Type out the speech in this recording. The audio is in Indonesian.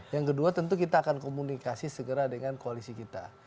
yang kedua tentu kita akan komunikasi segera dengan koalisi kita